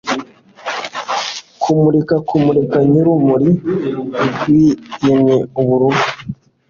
Kumurika kumurika ryurumuri rwijimyeubururu